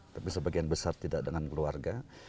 tapi sebagian besar tidak dengan keluarga